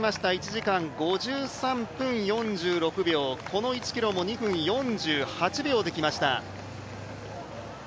１時間５３分４６秒この１ｋｍも２分４８秒できました。